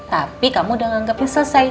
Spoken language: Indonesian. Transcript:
tapi kamu udah nganggapnya selesai